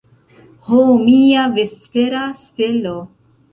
Ho, mia vespera stelo!